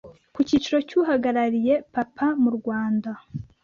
ku cyicaro cy’uhagarariye Papa mu Rwanda